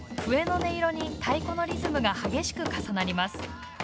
笛の音色に、太鼓のリズムが激しく重なります。